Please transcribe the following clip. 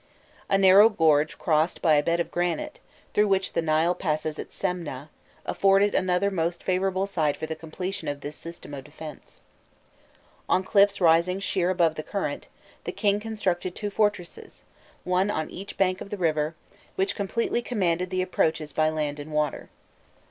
A narrow gorge crossed by a bed of granite, through which the Nile passes at Semneh, afforded another most favourable site for the completion of this system of defence. On cliffs rising sheer above the current, the king constructed two fortresses, one on each bank of the river, which completely commanded the approaches by land and water.